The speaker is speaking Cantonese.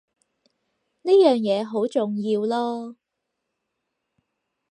呢樣嘢好重要囉